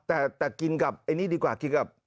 แต่กินกับอันนี้ดีกว่า